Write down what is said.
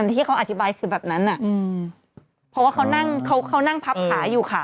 ที่เขาอธิบายคือแบบนั้นเพราะว่าเขานั่งเขานั่งพับขาอยู่ค่ะ